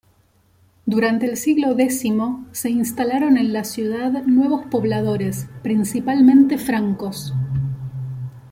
Durante el siglo X se instalaron en la ciudad nuevos pobladores, principalmente francos.